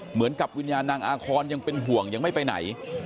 เหมือนกับวิญญาณนางอาคอนยังเป็นห่วงยังไม่ไปไหน